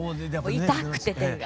痛くて手が。